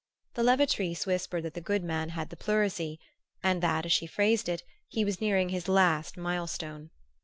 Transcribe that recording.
The levatrice whispered that the good man had the pleurisy, and that, as she phrased it, he was nearing his last mile stone.